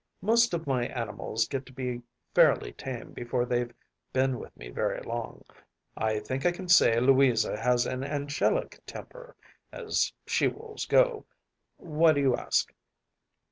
Most of my animals get to be fairly tame before they’ve been with me very long; I think I can say Louisa has an angelic temper, as she wolves go. Why do you ask?